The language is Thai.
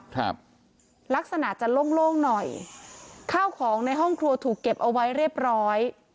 ครับลักษณะจะโล่งโล่งหน่อยข้าวของในห้องครัวถูกเก็บเอาไว้เรียบร้อย